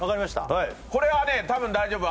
はいこれはね多分大丈夫